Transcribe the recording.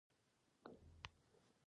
د لوري په بدلولو سره هر څه پراخ کوي.